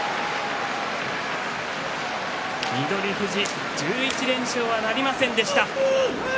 翠富士、１１連勝はなりませんでした。